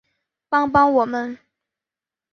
帮帮我们